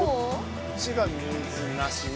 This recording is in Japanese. こっちが水なしね。